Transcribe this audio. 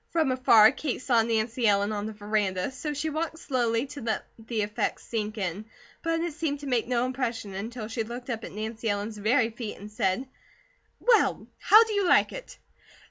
From afar, Kate saw Nancy Ellen on the veranda, so she walked slowly to let the effect sink in, but it seemed to make no impression until she looked up at Nancy Ellen's very feet and said: "Well, how do you like it?"